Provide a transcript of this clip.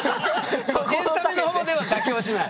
エンタメの方では妥協しない。